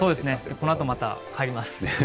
このあとまた帰ります。